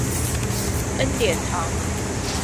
恩典堂。